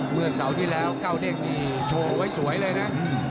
เมื่อเสาร์ที่แล้วเก้าเด้งนี่โชว์ไว้สวยเลยนะ